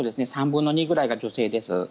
３分の２ぐらいが女性です。